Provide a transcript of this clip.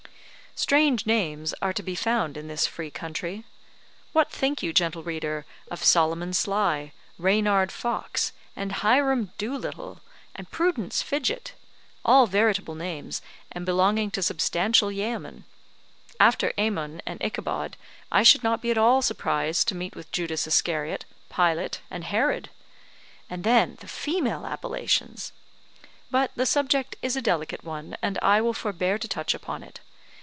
Strange names are to be found in this free country. What think you, gentle reader, of Solomon Sly, Reynard Fox, and Hiram Dolittle and Prudence Fidget; all veritable names, and belonging to substantial yeomen? After Ammon and Ichabod, I should not be at all surprised to meet with Judas Iscariot, Pilate, and Herod. And then the female appellations! But the subject is a delicate one and I will forbear to touch upon it.